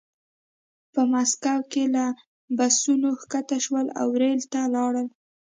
په مسکو کې له بسونو ښکته شول او ریل ته لاړل